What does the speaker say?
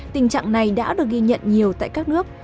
tình trạng này đã được ghi nhận nhiều tại các nước